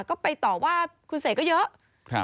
ก็ไปต่อว่าคุณเสกก็เยอะ